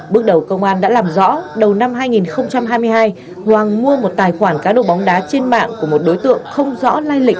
bước đầu công an đã làm rõ đầu năm hai nghìn hai mươi hai hoàng mua một tài khoản cá độ bóng đá trên mạng của một đối tượng không rõ lai lịch